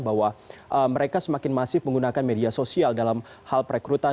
bahwa mereka semakin masif menggunakan media sosial dalam hal perekrutan